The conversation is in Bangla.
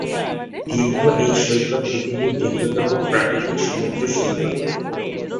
দীর্ঘ এই সৈকত পৃথিবীর দীর্ঘতম প্রাকৃতিক সমুদ্র সৈকত।